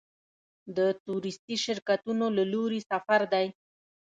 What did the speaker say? د تورېستي شرکتونو له لوري سفر دی.